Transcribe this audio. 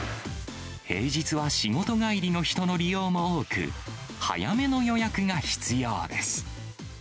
平日は仕事帰りの人の利用も多く、早めの予約が必要です。